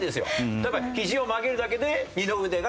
例えばひじを曲げるだけで二の腕が鍛えられる。